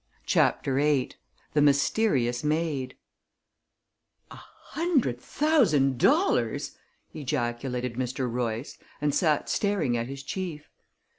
CHAPTER VIII The Mysterious Maid "A hundred thousand dollars!" ejaculated Mr. Royce, and sat staring at his chief.